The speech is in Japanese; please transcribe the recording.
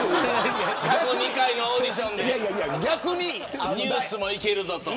過去２回のオーディションでニュースもいけるぞと。